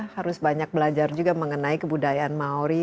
harus banyak belajar juga mengenai kebudayaan mauri